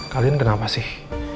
kalian kenapa sih